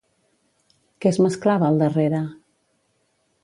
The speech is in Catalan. Què es mesclava al darrere?